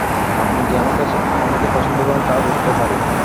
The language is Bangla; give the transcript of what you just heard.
আপনি যে আমাকে পছন্দ করেন, তাও বুঝতে পারি।